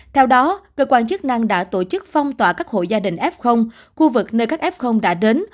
theo đó cơ quan chức năng đã tổ chức phong tỏa các hộ gia đình f khu vực nơi các f đã đến